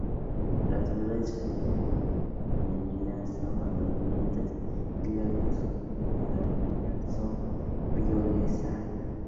Las flores femeninas son amarillentas y las masculinas son violáceas.